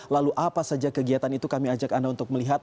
lalu apa saja kegiatan itu kami ajak anda untuk melihat